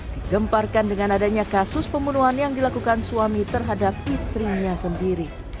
digemparkan dengan adanya kasus pembunuhan yang dilakukan suami terhadap istrinya sendiri